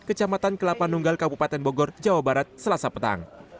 kecamatan kelapanunggal kabupaten bogor jawa barat selasa petang